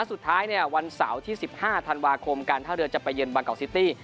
สุดท้ายวันเสาร์๑๕สัปดีถ้าเรือจะไปเยินฮวังเกาะซิตี้